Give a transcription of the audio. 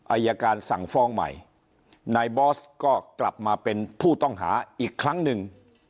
อายการสั่งฟ้องใหม่นายบอสก็กลับมาเป็นผู้ต้องหาอีกครั้งหนึ่ง